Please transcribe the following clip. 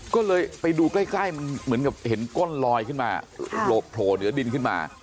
ก็เลยไปดูใกล้มันเหมือนกับเห็นก้นลอยขึ้นมาโผล่เหนือดินขึ้นมา